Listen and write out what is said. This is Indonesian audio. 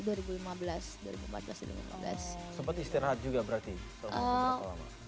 seperti istirahat juga berarti selama berapa lama